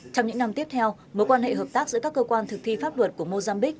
trong những năm tiếp theo mối quan hệ hợp tác giữa các cơ quan thực thi pháp luật của mozambiqu